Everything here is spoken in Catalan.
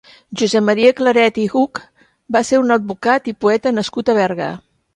Josep Maria Claret i Huch va ser un advocat i poeta nascut a Berga.